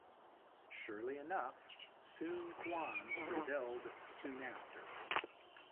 Surely enough, Sun Quan rebelled soon after.